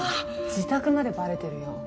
自宅までバレてるよ。